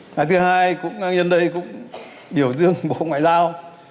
ngày thứ hai nhân dân đây cũng biểu dương bộ ngoại giao